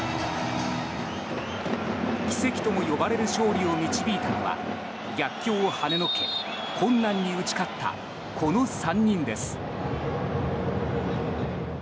奇跡とも呼ばれる勝利を導いたのは逆境を跳ねのけ困難に打ち勝ったこの３人です。